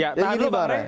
ya tahan dulu bang ray